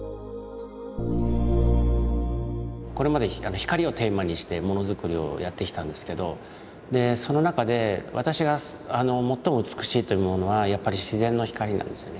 これまで光をテーマにしてものづくりをやってきたんですけどその中で私が最も美しいというものはやっぱり自然の光なんですよね。